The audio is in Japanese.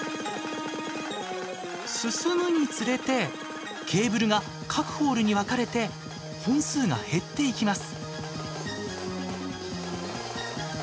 進むにつれてケーブルが各ホールに分かれて本数が減っていきます。